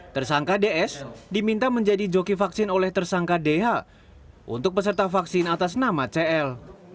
tersangka ds diminta menjadi joki vaksin oleh tersangka dh untuk peserta vaksin atas nama cl